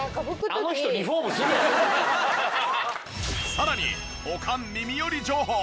さらにおかん耳寄り情報！